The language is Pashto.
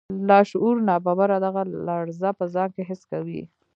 لاشعور ناببره دغه لړزه په ځان کې حس کوي